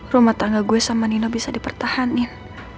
rumah tangga gue sama nino bisa dipertahanin